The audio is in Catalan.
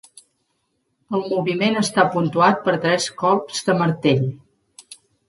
El moviment està puntuat per tres colps de martell.